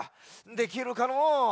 できるかのう？